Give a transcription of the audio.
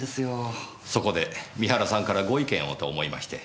そこで三原さんからご意見をと思いまして。